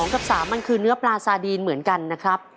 กับ๓มันคือเนื้อปลาซาดีนเหมือนกันนะครับ